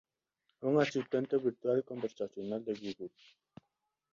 Un asistente virtual conversacional de Google.